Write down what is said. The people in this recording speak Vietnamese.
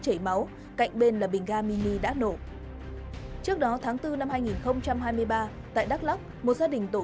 chảy máu cạnh bên là bình garmini đã nổ trước đó tháng bốn năm hai nghìn hai mươi ba tại đắk lắk một gia đình tổ